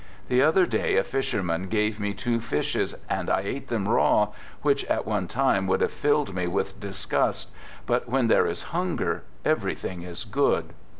The other day a fisherman gave me two fishes and I ate them raw, which at one time would have filled me with disgust, but when there is hunger, every thing is good.